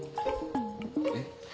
えっ？